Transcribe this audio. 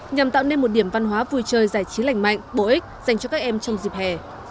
nhằm tạo nên một điểm văn hóa vui chơi giải trí lành mạnh bổ ích dành cho các em trong dịp hè